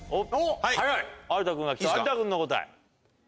有田君の答え。